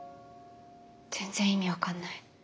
全然意味分かんない。